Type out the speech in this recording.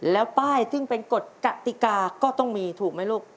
แล้วป้ายซึ่งเป็นกฎกติกาก็ต้องมีถูกไหมลูก